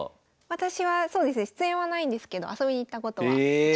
私はそうですね出演はないんですけど遊びに行ったことは。え。